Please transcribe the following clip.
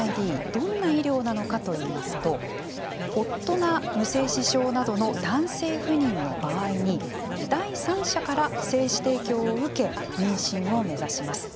どんな医療なのかといいますと夫が無精子症などの男性不妊の場合に第三者から精子提供を受け妊娠を目指します。